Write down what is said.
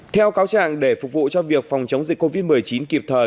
theo cáo trạng để phục vụ cho việc phòng chống dịch covid một mươi chín kịp thời